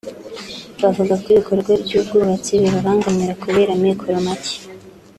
bavuga ko ibikorwa by’ubwubatsi bibabangamira kubera amikoro make